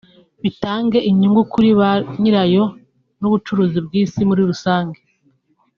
bitange inyungu kuri ba nyirayo n’ubucuruzi bw’isi muri rusange